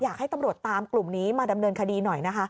อยากให้ตำรวจตามกลุ่มนี้มาดำเนินคดีหน่อยนะคะ